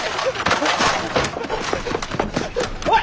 おい！